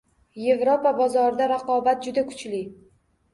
Yevropa bozorida raqobat juda kuchli.